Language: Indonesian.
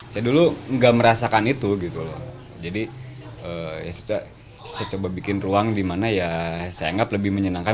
saya dulu nggak merasakan itu jadi saya coba bikin ruang di mana saya ingat lebih menyenangkan